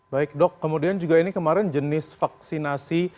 baik dok kemudian juga ini kemarin jenis vaksinasi